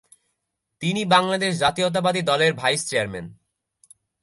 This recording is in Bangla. তিনি বাংলাদেশ জাতীয়তাবাদী দলের ভাইস চেয়ারম্যান।